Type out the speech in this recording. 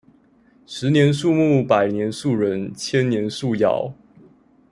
十年樹木，百年樹人，千年樹妖